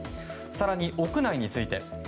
更に、屋内について。